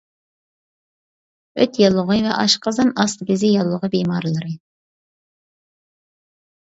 ئۆت ياللۇغى ۋە ئاشقازان ئاستى بېزى ياللۇغى بىمارلىرى.